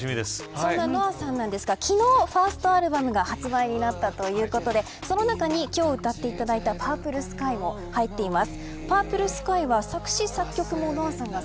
そんなＮＯＡさんですが、昨日ファーストアルバムが発売になったということでその中に今日歌っていただいたＰｕｒｐｌｅｓｋｙも入っています。